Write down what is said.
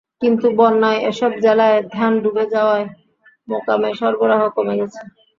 কিন্তু বন্যায় এসব জেলায় ধান ডুবে যাওয়ায় মোকামে সরবরাহ কমে গেছে।